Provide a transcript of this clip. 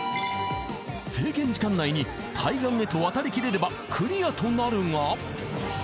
［制限時間内に対岸へと渡りきれればクリアとなるが］